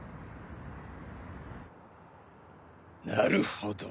なるほど。